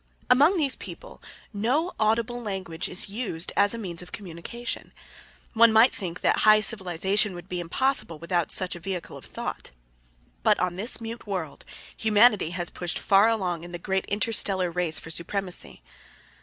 Among these people no audible language is used as a means of communication. One might think that high civilization would be impossible without such a vehicle of thought. But on this Mute world humanity has pushed far along in the great interstellar race for supremacy.